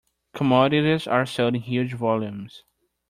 Commodities are sold in huge volumes.